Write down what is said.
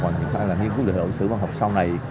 hoặc những nhà nghiên cứu lịch sử văn học sau này